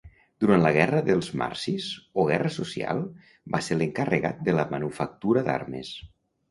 Durant la guerra dels marsis o guerra social va ser l'encarregat de la manufactura d'armes.